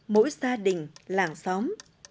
mỗi gia đình làng xóm